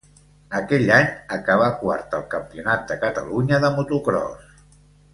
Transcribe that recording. Aquell any acabà quart al Campionat de Catalunya de motocròs.